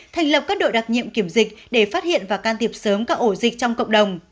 thành lập các đội đặc nhiệm kiểm dịch để phát hiện và can thiệp sớm các ổ dịch trong cộng đồng